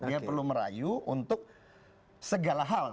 dia perlu merayu untuk segala hal